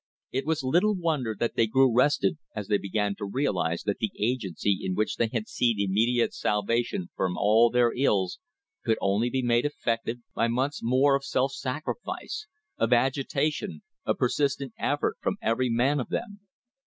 It was little wonder that they grew restive as they began to realise that the agency in which they had seen immediate salvation from all their ills could only be made effective by months more of self sacrifice, of agitation, of persistent effort from every man of them.